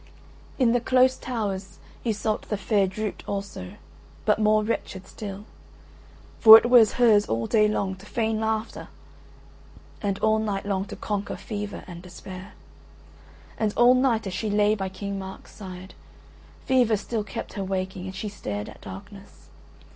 In the close towers Iseult the Fair drooped also, but more wretched still. For it was hers all day long to feign laughter and all night long to conquer fever and despair. And all night as she lay by King Mark's side, fever still kept her waking, and she stared at darkness.